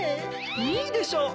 いいでしょう